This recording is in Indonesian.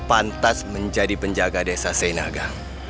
pantas menjadi penjaga desa seinaga